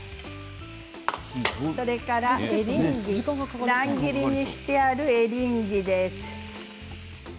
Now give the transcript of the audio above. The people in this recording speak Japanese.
それからエリンギ、乱切りにしてあるエリンギです。